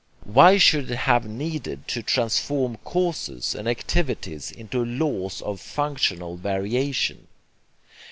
Why should it have needed to transform causes and activities into laws of 'functional variation'?